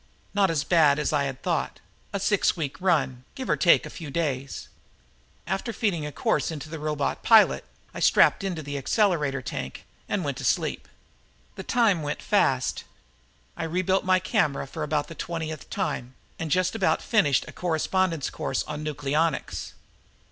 Not as bad as I had thought a six week run, give or take a few days. After feeding a course tape into the robot pilot, I strapped into the acceleration tank and went to sleep. The time went fast. I rebuilt my camera for about the twentieth time and just about finished a correspondence course in nucleonics.